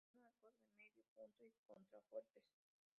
Se utilizaron arcos de medio punto y contrafuertes.